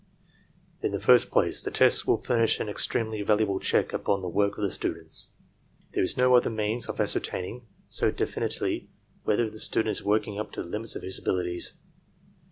"In the first place, the tests will furnish an extremely valuable check upon the work of the students. There is no other means of ascertaining so definitely whether the student is working up to the lunits of his abilities.